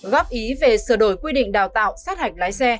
góp ý về sửa đổi quy định đào tạo sát hạch lái xe